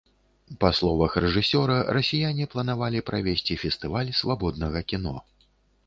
Па словах рэжысёра, расіяне планавалі правесці фестываль свабоднага кіно.